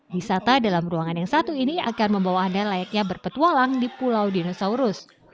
wisata dalam ruangan yang satu ini akan membawa anda layaknya berpetualang di pulau dinosaurus